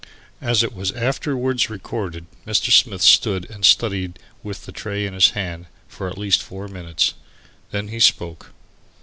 As it was afterwards recorded, Mr. Smith stood and "studied" with the tray in his hand for at least four minutes. Then he spoke.